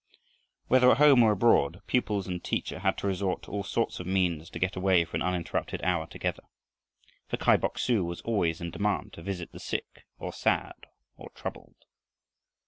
Whether at home or abroad, pupils and teacher had to resort to all sorts of means to get away for an uninterrupted hour together. For Kai Bok su was always in demand to visit the sick or sad or troubled.